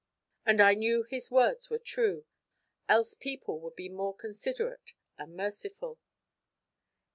And I knew his words were true, else people would be more considerate and merciful.